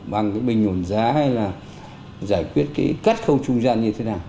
bằng cái bình ổn giá hay là giải quyết cái cắt khâu trung gian như thế nào